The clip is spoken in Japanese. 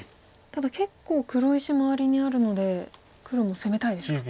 ただ結構黒石周りにあるので黒も攻めたいですか。